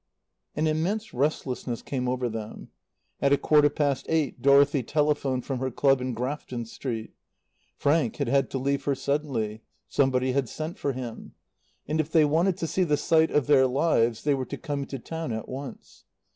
An immense restlessness came over them. At a quarter past eight Dorothy telephoned from her club in Grafton street. Frank had had to leave her suddenly. Somebody had sent for him. And if they wanted to see the sight of their lives they were to come into town at once.